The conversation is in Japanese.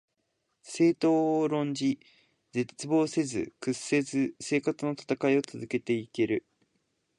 政党を論じ、絶望せず、屈せず生活のたたかいを続けて行ける